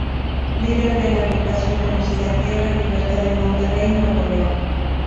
Líder de la agrupación conocida Tierra y Libertad en Monterrey, Nuevo León.